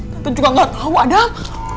tante juga nggak tahu adam